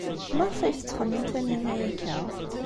Maɣef ay tettxemmim Taninna akka?